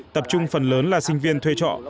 tập trung phần lớn là sinh viên thuê trọ